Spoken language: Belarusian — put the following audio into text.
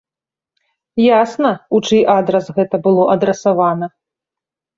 Ясна, у чый адрас гэта было адрасавана.